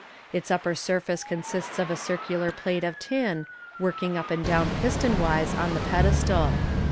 Its upper surface consists of a circular plate of tin, working up and down piston wise in the pedestal.